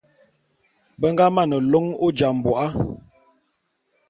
Be nga mane lôn Ojambô'a.